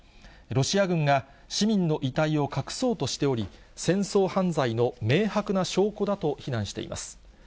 ロシア軍が市民の遺体を隠そうとしており、戦争犯罪の明白な証拠だと非難しています。